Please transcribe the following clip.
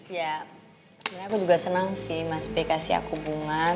ya sebenarnya aku juga senang sih mas b kasih aku bunga